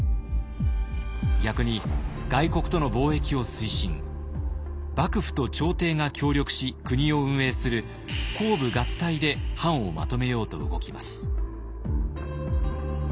逆に外国との貿易を推進幕府と朝廷が協力し国を運営する公武合体で藩をまとめようと動きます。